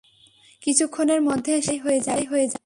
কিছুক্ষণের মধ্যে, সে বিদায় হয়ে যাবে।